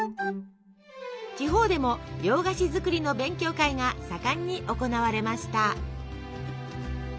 地方でも洋菓子作りの勉強会が盛んに行われました。